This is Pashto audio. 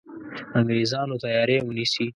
انګرېزانو تیاری ونیسي.